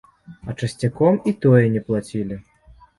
А часцяком і тое не плацілі.